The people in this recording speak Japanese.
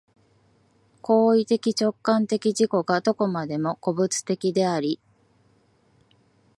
行為的直観的自己がどこまでも個物的であり、